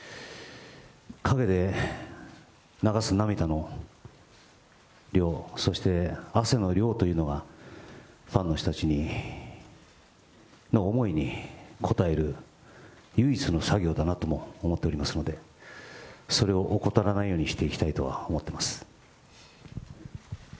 陰で流す涙の量、そして汗の量というのは、ファンの人たちの思いに応える唯一の作業だとも思っておりますので、それを怠らないようにしていきたいとは思っています。